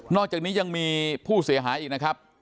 อกจากนี้ยังมีผู้เสียหายอีกนะครับ